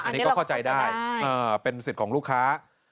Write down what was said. อันนี้ก็เข้าใจได้เป็นสิทธิ์ของลูกค้า